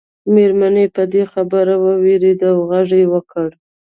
مېرمنې په دې خبره ووېرېدې او غږونه یې وکړل.